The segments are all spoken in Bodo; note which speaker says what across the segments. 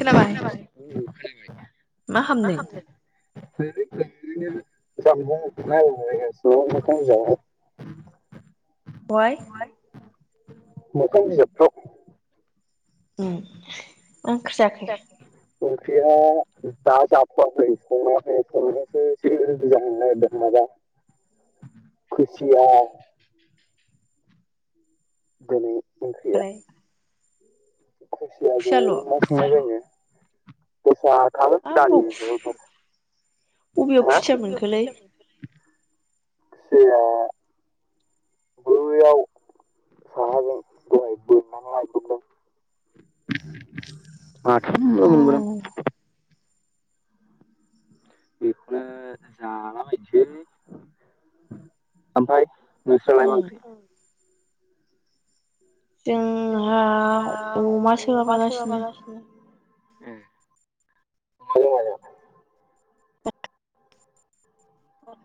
Speaker 1: खोनाबाय?
Speaker 2: मा खामदों? [unintelligible]
Speaker 1: हवाय
Speaker 2: मोखां बिजाबफ्राव
Speaker 1: उम मा ओख्रै जाखो?
Speaker 2: ओंख्रिया दा जाथ'वाखै संनायाखै संनायासो एसे रो जाहनो नागिरदों माबा
Speaker 1: [inaudible]
Speaker 2: खुसिया दोनै
Speaker 1: ओमफ्राय
Speaker 2: खुसेयाजो
Speaker 1: खुसियाल'
Speaker 2: मा
Speaker 1: हाब
Speaker 2: संनाय जायो दसा
Speaker 1: अबाव अबेयाव
Speaker 2: [unintelligible]
Speaker 1: खुसिया मोनखोलै
Speaker 2: खुसिया बोयाव साहाजों दहाय बोनो आं लायब्रबदों माथाम ल
Speaker 1: आयौ
Speaker 2: मोनबोदों बेखौनो जालाबायसै ओमफ्राय नोंहालाय मा
Speaker 1: ओं
Speaker 2: एंख्रै?
Speaker 1: जोंहा अमा सोलाबागासिनो
Speaker 2: ओम अमाजों माजों? औ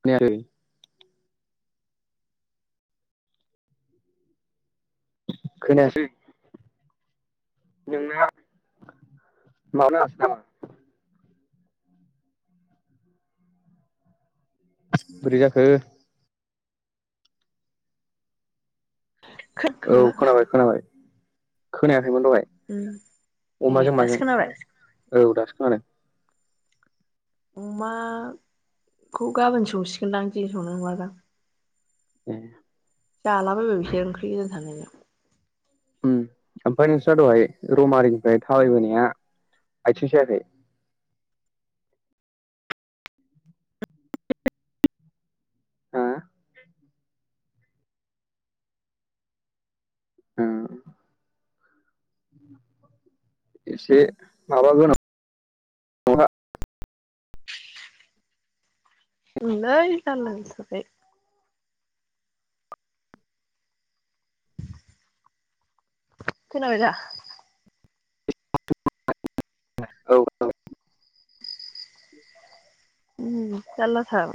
Speaker 2: खोनायाखै खोनायासै नोंना माबा नाङासै नामा‌? बोरै जाखो? औ
Speaker 1: खोनाखो
Speaker 2: खोनाबाय खोनाबाय खोनायाखै खैमोन दहाय
Speaker 1: उम ए
Speaker 2: अमाजों
Speaker 1: दासो
Speaker 2: माजों
Speaker 1: खोनाबाय
Speaker 2: औ दासो खोनादों
Speaker 1: अमाखौ गाबोन सौसिगोनदां दिनै संनांलादां
Speaker 2: ए
Speaker 1: जालाबाबाय बिसोर ओंख्रि गोजां थानायजों
Speaker 2: उम ओमफ्राय नोंस्रा दहाय रमारिनिफ्राय थाबायबोनाया आयथिं सायाखै? हा ओ एसे माबागोनां
Speaker 1: ओंलै जाला जाथारबाय खोनाबाय दा?
Speaker 2: औ औ
Speaker 1: उम जाला थार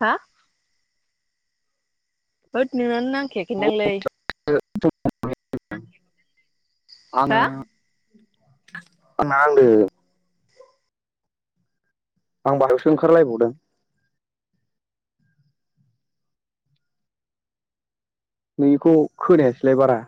Speaker 1: हा होद नोंनानो नांखायाखै दांलै
Speaker 2: [inaudible] आंना
Speaker 1: हा
Speaker 2: नांदो आं बायहेरावसो ओंखारलायबावदों नोंनीखौ खोनायासैलाय बारा